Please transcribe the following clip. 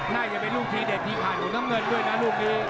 น่าจะเป็นลูกทีเด็ดที่ผ่านของน้ำเงินด้วยนะลูกนี้